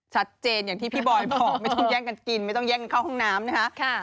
อย่างที่พี่บอยบอกไม่ต้องแย่งกันกินไม่ต้องแย่งกันเข้าห้องน้ำนะคะ